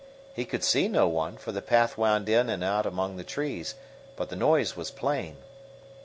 He could see no one, for the path wound in and out among the trees, but the noise was plain.